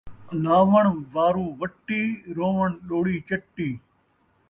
آلاوݨ وارو وٹی، رووݨ ݙوڑی چٹی